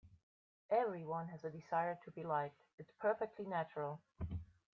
Everyone has a desire to be liked, it's perfectly natural.